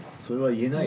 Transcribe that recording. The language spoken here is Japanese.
言えない。